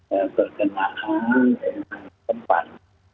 yang terkenaan tempat